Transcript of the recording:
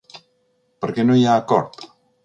Per què no hi ha acord?